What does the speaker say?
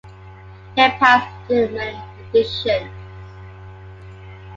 It passed through many editions.